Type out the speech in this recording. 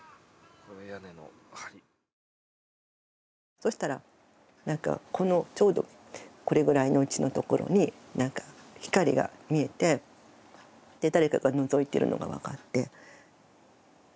そしたらなんかちょうどこれぐらいの位置のところに光が見えて誰かがのぞいてるのが分かって。